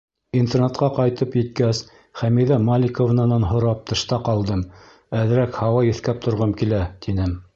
Интернатҡа ҡайтып еткәс, Хәмиҙә Маликовнанан һорап тышта ҡалдым, әҙерәк һауа еҫкәп торғом килә, тинем.